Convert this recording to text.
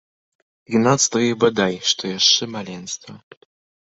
Юнацтва і бадай што яшчэ маленства!